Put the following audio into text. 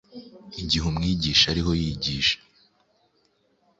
Igihe umwigisha ariho yigisha,